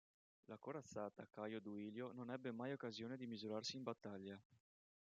La corazzata "Caio Duilio" non ebbe mai occasione di misurarsi in battaglia.